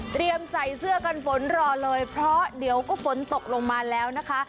ใส่เสื้อกันฝนรอเลยเพราะเดี๋ยวก็ฝนตกลงมาแล้วนะคะ